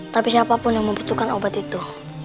tapi siapapun yang membutuhkan obat itu